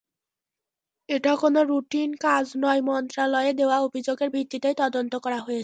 এটা কোনো রুটিন কাজ নয়, মন্ত্রণালয়ে দেওয়া অভিযোগের ভিত্তিতেই তদন্ত করা হয়েছে।